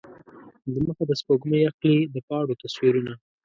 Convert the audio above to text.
دمخه د سپوږمۍ اخلي د پاڼو تصویرونه